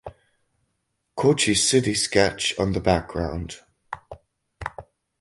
Kochi city sketch on the background.